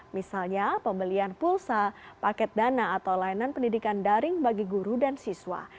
misalnya pembelian pulsa paket dana atau layanan pendidikan daring bagi guru dan siswa